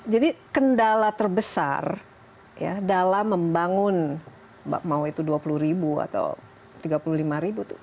jadi kendala terbesar dalam membangun mau itu dua puluh ribu atau tiga puluh lima ribu